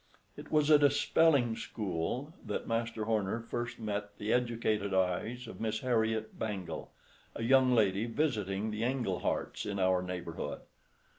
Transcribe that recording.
It was at a "spelling school" that Master Horner first met the educated eyes of Miss Harriet Bangle, a young lady visiting the Engleharts in our neighborhood.